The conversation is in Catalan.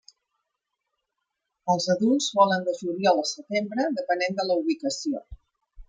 Els adults volen de juliol a setembre, depenent de la ubicació.